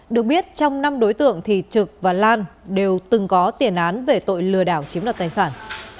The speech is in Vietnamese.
được biết trong năm đối tượng thì trực và lan đều từng có tiền án về tội lừa đảo chiếm đoạt tài sản